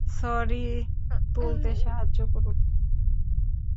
Sorry, তুলতে সাহায্য করুন।